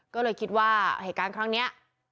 ก็เลยคิดว่าเหตุการณ์ครั้งนี้